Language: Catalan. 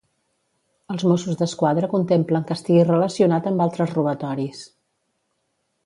Els Mossos d'Esquadra contemplen que estigui relacionat amb altres robatoris.